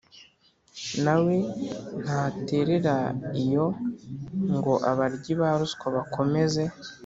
na we ntaterera iyo ngo abaryi ba ruswa bakomeze